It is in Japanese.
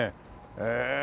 へえ。